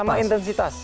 betul sama intensitas